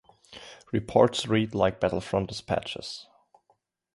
Reports read like battlefront despatches.